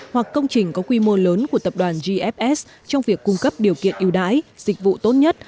hoặc công trình có quy mô lớn của tập đoàn gfs trong việc cung cấp điều kiện yêu đái dịch vụ tốt nhất